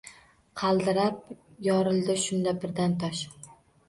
Qaldirab yorildi shunda birdan tosh